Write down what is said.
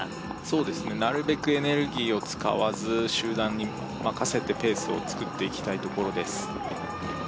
そうですねなるべくエネルギーを使わず集団に任せてペースをつくっていきたいところです